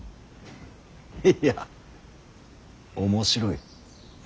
いや面白い。